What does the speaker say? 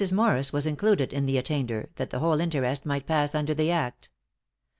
Morris was included in the attainder, that the whole interest might pass under the act.